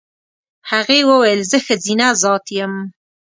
هغې وویل زه ښځینه ذات یم.